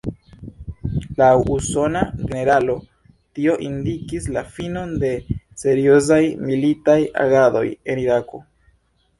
Laŭ usona generalo tio indikis la finon de seriozaj militaj agadoj en Irako.